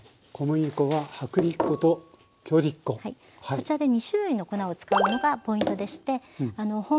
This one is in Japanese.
こちらで２種類の粉を使うのがポイントでして本場